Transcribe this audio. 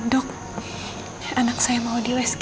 dok anak saya mau di west